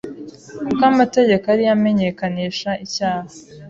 ”kuko amategeko ari yo amenyekanisha icyaha